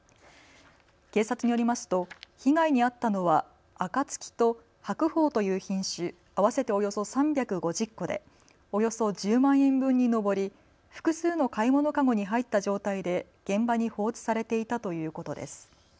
警察によりますと被害に遭ったのはあかつきと白鳳という品種合わせておよそ３５０個でおよそ１０万円分に上り複数の買い物かごに入った状態で現場に放置されていたということです。